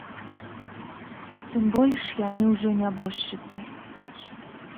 Тым больш, яны ўжо нябожчыцы.